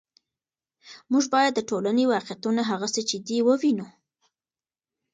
موږ باید د ټولنې واقعیتونه هغسې چې دي ووینو.